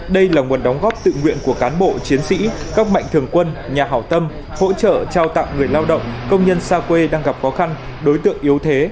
đây là nguồn đóng góp tự nguyện của cán bộ chiến sĩ các mạnh thường quân nhà hảo tâm hỗ trợ trao tặng người lao động công nhân xa quê đang gặp khó khăn đối tượng yếu thế